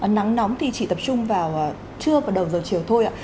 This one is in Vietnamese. nắng nóng thì chỉ tập trung vào trưa và đầu giờ chiều thôi ạ